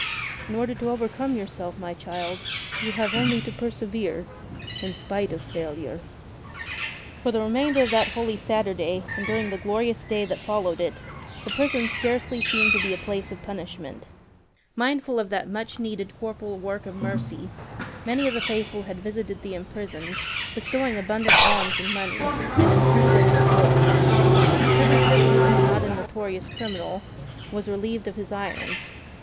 In order to overcome yourself, my child, you have only to persevere — in spite of failure'' For the remainder of that Holy Saturday and during the glorious Day that followed it, prison scarcely seemed to be a place of punishment. Mindful of that much needed corporal work of mercy many of the faithful had visited the imprisoned, bestowing abundant alms in money, in food and in clothes. Every prisoner, not a notorious criminal, was relieved of his irons.